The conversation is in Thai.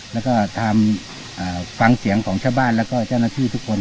แล้วก็ทำฟังเสียงของชาวบ้านแล้วก็เจ้าหน้าที่ทุกคน